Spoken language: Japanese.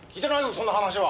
そんな話は！